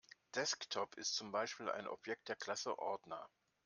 Desktop ist zum Beispiel ein Objekt der Klasse Ordner.